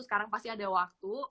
sekarang pasti ada waktu